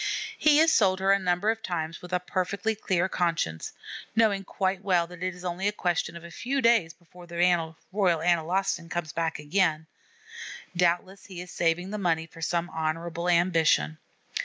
He has sold her a number of times with a perfectly clear conscience, knowing quite well that it is only a question of a few days before the Royal Analostan comes back again. Doubtless he is saving the money for some honorable ambition.